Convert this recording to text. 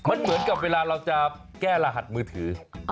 มันเหมือนกับเวลาเราจะแก้รหัสมือถือ